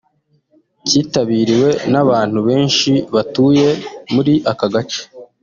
cyitabiriwe n’abantu benshi batuye muri aka gace